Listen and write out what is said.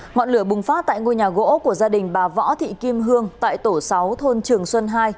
ngọn lửa bùng phát tại ngôi nhà gỗ của gia đình bà võ thị kim hương tại tổ sáu thôn trường xuân hai